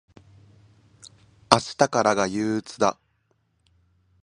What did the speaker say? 明日からが憂鬱だ。